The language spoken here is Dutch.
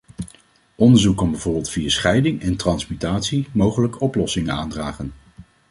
Onderzoek kan bijvoorbeeld via scheiding en transmutatie mogelijk oplossingen aandragen.